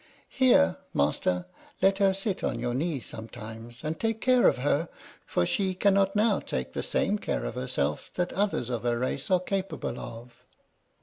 Here, master, let her sit on your knee sometimes, and take care of her, for she cannot now take the same care of herself that others of her race are capable of."